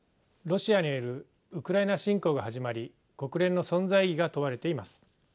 ロシアによるウクライナ侵攻が始まり国連の存在意義が問われています。